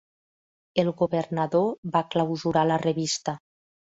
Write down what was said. El governador va clausurar la revista.